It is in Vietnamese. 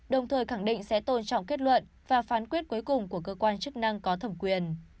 đồng thời khẳng định sẽ tôn trọng kết luận và phán quyết cuối cùng của cơ quan chức năng có thẩm quyền